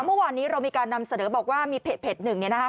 เมื่อวานนี้เรามีการนำเสนอบอกว่ามีเพจหนึ่งเนี่ยนะคะ